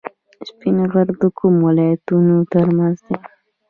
سپین غر د کومو ولایتونو ترمنځ دی؟